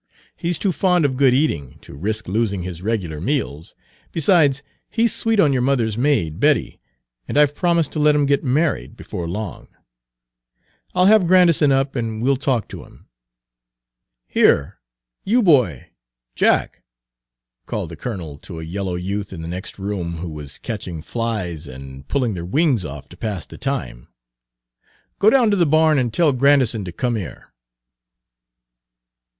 He's too fond of good eating, to risk losing his regular Page 178 meals; besides, he's sweet on your mother's maid, Betty, and I 've promised to let 'em get married before long. I'll have Grandison up, and we'll talk to him. Here, you boy Jack," called the colonel to a yellow youth in the next room who was catching flies and pulling their wings off to pass the time, "go down to the barn and tell Grandison to come here."